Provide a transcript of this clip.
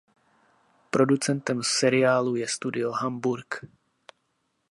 Producentem seriálu je Studio Hamburg.